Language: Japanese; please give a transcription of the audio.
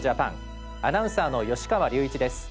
アナウンサーの芳川隆一です。